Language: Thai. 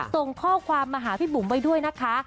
ส่งข้อความมาหาพี่บุ๋มไว้ด้วยนะคะ